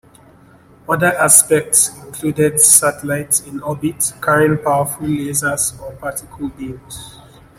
Other aspects included satellites in orbit carrying powerful lasers or particle beams.